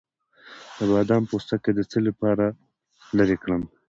د بادام پوستکی د څه لپاره لرې کړم؟